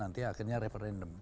nanti akhirnya referendum